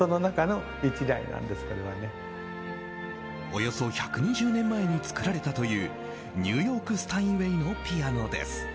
およそ１２０年前に作られたというニューヨーク・スタインウェイのピアノです。